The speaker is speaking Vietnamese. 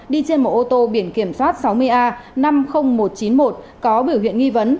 đi trên một ô tô biển kiểm soát sáu mươi a năm mươi nghìn một trăm chín mươi một có biểu hiện nghi vấn